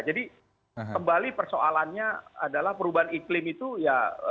kembali persoalannya adalah perubahan iklim itu ya